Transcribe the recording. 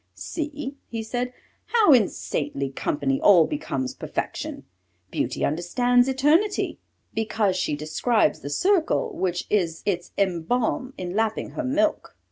"See," he said, "how in saintly company all becomes perfection: Beauty understands eternity, because she describes the circle which is its emblem in lapping her milk."